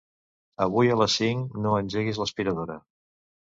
Avui a les cinc no engeguis l'aspiradora.